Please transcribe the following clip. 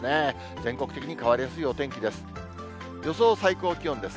全国的に変わりやすいお天気です。